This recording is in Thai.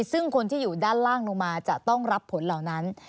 ซึ่งคนที่อยู่ด้านล่างลงมาจะต้องรับผลเหล่านั้น